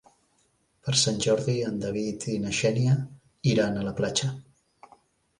Per Sant Jordi en David i na Xènia iran a la platja.